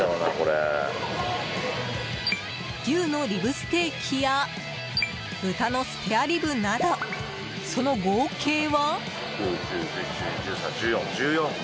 牛のリブステーキや豚のスペアリブなど、その合計は。